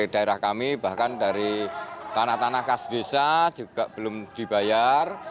daerah kami bahkan dari tanah tanah khas desa juga belum dibayar